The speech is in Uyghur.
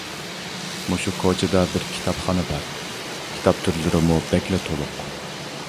مۇشۇ كوچىدا بىر كىتابخانا بار، كىتاب تۈرلىرىمۇ بەكلا تولۇق.